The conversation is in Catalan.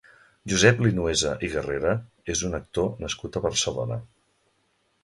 Josep Linuesa i Guerrera és un actor nascut a Barcelona.